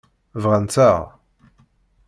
Brant-aɣ.